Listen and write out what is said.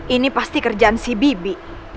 ini pasti kerjaan si bibi